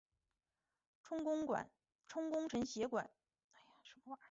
充功臣馆协修。